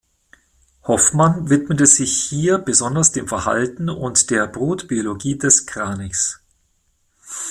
Hoffmann widmete sich hier besonders dem Verhalten und der Brutbiologie des Kranichs.